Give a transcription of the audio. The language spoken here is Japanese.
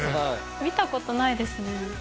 見たことないですね